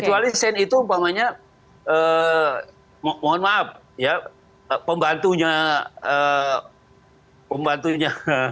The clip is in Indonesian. kecuali shane itu umpamanya mohon maaf ya pembantunya pembantunya